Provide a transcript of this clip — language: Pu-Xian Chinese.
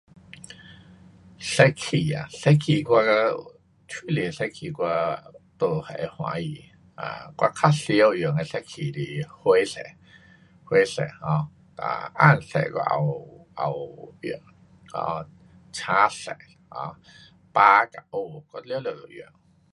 色气啊，色气我，蛮多色气我都会欢喜。啊，我较常用的色气是灰色，灰色 um 啊，红色我也有，也有用，啊，青色，um 白跟黑，我全部有用。